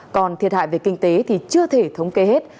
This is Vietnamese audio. còn thiệt hại về kinh tế thì chưa thể thống kê hết